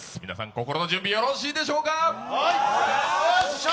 心の準備よろしいでしょうか！